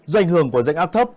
do ảnh hưởng của dạnh áp thấp